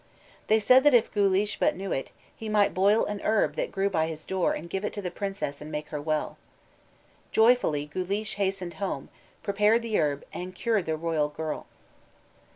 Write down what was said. They said that if Guleesh but knew it, he might boil an herb that grew by his door and give it to the princess and make her well. Joyfully Guleesh hastened home, prepared the herb, and cured the royal girl.